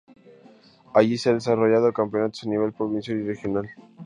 Allí se han desarrollado campeonatos a nivel provincial y regional.